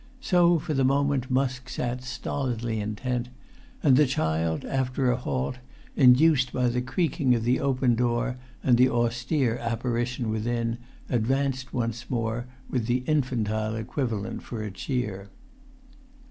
So for the moment Musk sat stolidly intent; and the child, after a halt induced by the creaking of the open door and the austere apparition within, advanced once more, with the infantile equivalent for a cheer.